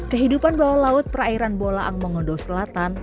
kehidupan bawah laut perairan bolaang mengendau selatan